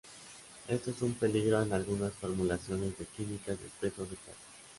Esto es un peligro en algunas formulaciones de químicas de espejos de plata.